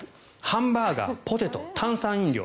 ハンバーガー、ポテト炭酸飲料。